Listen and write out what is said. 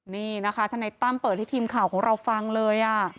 นี่นะคะทนายตั้มเปิดให้ทีมข่าวของเราฟังเลย